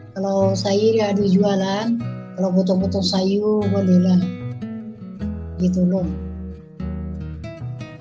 kalau sayur ya ada jualan kalau butuh butuh sayur bolehlah ditolong